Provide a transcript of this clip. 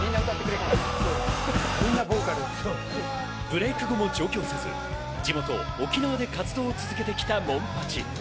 ブレーク後も上京せず、地元・沖縄で活動を続けてきたモンパチ。